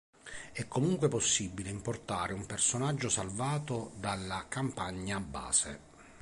È comunque possibile importare un personaggio salvato dalla campagna base.